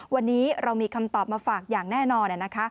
วันนี้เรามีคำตอบมาฝากอย่างแน่นอน